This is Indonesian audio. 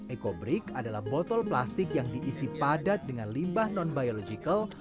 ecobrik adalah botol plastik yang diisi padat dengan limbah non biological